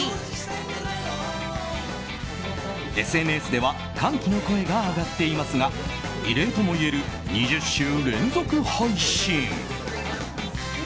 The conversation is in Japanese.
ＳＮＳでは歓喜の声が上がっていますが異例ともいえる２０週連続配信。